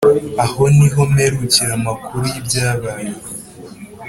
Aho niho mperukira amakuru y’ibyabaye